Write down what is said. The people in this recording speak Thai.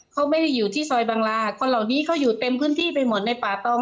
เขาไม่ได้อยู่ที่ซอยบังลาคนเหล่านี้เขาอยู่เต็มพื้นที่ไปหมดในป่าตอง